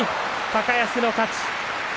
高安の勝ち。